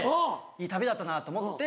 「いい旅だったな」と思って。